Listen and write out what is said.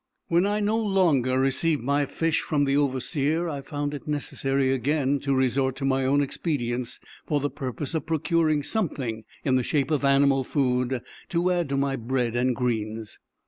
When I no longer received my fish from the overseer, I found it necessary again to resort to my own expedients for the purpose of procuring something in the shape of animal food, to add to my bread and greens.